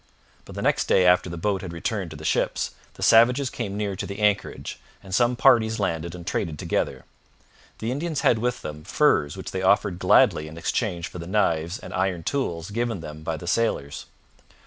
But the next day after the boat had returned to the ships, the savages came near to the anchorage, and some parties landed and traded together. The Indians had with them furs which they offered gladly in exchange for the knives and iron tools given them by the sailors.